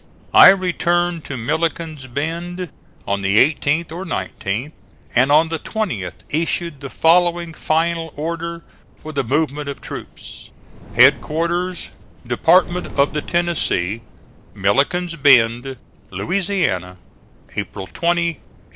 I returned to Milliken's Bend on the 18th or 19th, and on the 20th issued the following final order for the movement of troops: HEADQUARTERS DEPARTMENT OF THE TENNESSEE, MILLIKEN'S BEND, LOUISIANA, April 20, 1863.